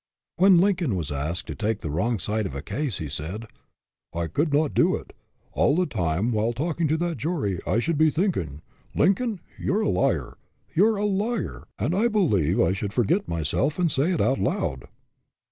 When Lincoln was asked to take the wrong side of a case he said, " I could not do it. All the time while talking to that jury I should be thinking, ' Lincoln, you're a liar, you're a liar/ and I believe I should forget myself and say it out loud."